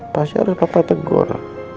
pasti harus papa tegur